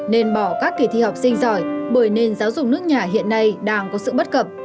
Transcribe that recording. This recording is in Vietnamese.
nên bỏ các kỳ thi học sinh giỏi bởi nền giáo dục nước nhà hiện nay đang có sự bất cập